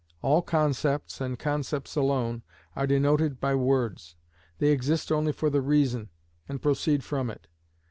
All concepts, and concepts alone, are denoted by words; they exist only for the reason, and proceed from it.